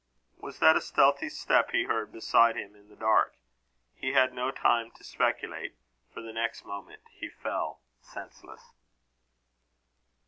Was that a stealthy step he heard beside him in the dark? He had no time to speculate, for the next moment he fell senseless.